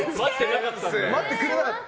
待ってくれなかった。